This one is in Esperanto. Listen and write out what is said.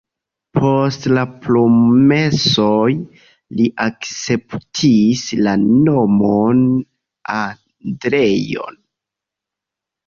Post la promesoj li akceptis la nomon Andreo.